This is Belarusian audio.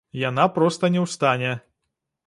Яна проста не ў стане.